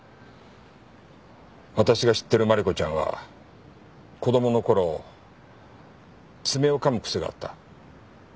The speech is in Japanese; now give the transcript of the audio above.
私が知ってるまりこちゃんは子供の頃爪を噛むくせがあった。